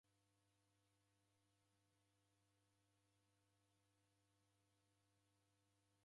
Kusekerumiria kungirwa gongolo ya w'azumba.